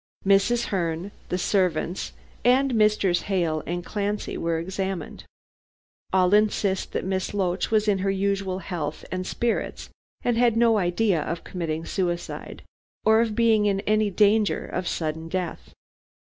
"Mrs. Herne, the servants, and Messrs. Hale and Clancy were examined. All insist that Miss Loach was in her usual health and spirits, and had no idea of committing suicide, or of being in any danger of sudden death.